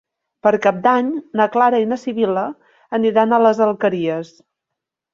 Per Cap d'Any na Clara i na Sibil·la aniran a les Alqueries.